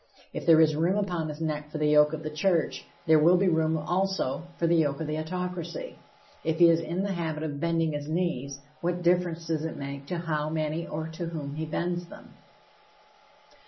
If there is room upon his neck for the yoke of the church, there will be room, also, for the yoke of the autocracy. If he is in the habit of bending his knees, what difference does it make to how many or to whom he bends them?